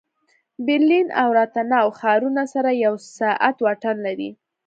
برلین او راتناو ښارونه سره یو ساعت واټن لري